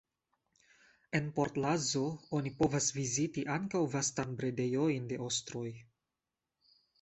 En Port Lazo oni povas viziti ankaŭ vastan bredejon de ostroj.